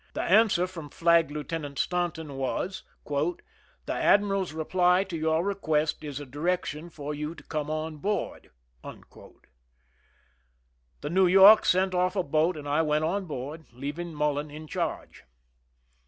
The answer from Flag Lieutenant Staun ton was :" The admiral's reply to your request is a direction for you to come on board." The New York sent off a boat, and I went on board, leaving Mullen in chai^ge.